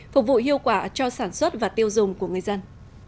phục vụ hiệu quả cho sản xuất và tiêu dùng của người dân